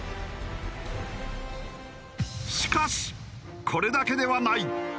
しかしこれだけではない。